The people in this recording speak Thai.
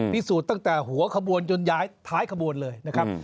สูจนตั้งแต่หัวขบวนจนย้ายท้ายขบวนเลยนะครับ